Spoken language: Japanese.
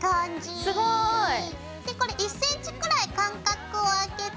すごい！これ１ｃｍくらい間隔を空けて。